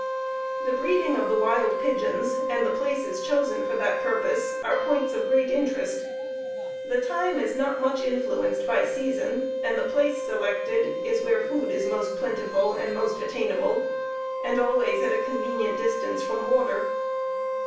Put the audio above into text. The breeding of the wild pigeons, and the places chosen for that purpose, are points of great interest. The time is not much influenced by season, and the place selected is where food is most plentiful and most attainable, and always at a convenient distance from water.